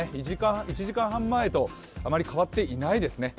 １時間半前とあまり変わっていないですね。